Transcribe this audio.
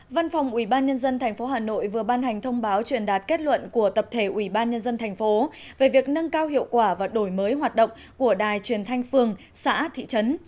văn phòng ubnd tp hà nội vừa ban hành thông báo truyền đạt kết luận của tập thể ubnd tp về việc nâng cao hiệu quả và đổi mới hoạt động của đài truyền thanh phường xã thị trấn